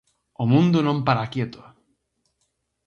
O mundo non para quieto.